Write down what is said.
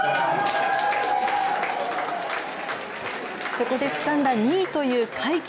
そこでつかんだ２位という快挙。